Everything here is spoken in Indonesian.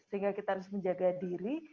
sehingga kita harus menjaga diri